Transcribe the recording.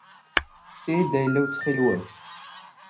Fket-iyi-d ayla-w ttxil-wet.